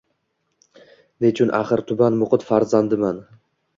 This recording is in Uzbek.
Nechun axir tuban muhit farzandiman